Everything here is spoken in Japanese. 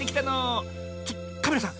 ちょカメラさん